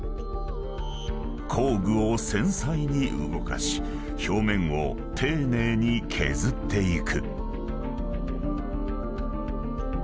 ［工具を繊細に動かし表面を丁寧に削っていく］